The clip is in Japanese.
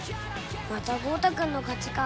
また豪太君の勝ちか。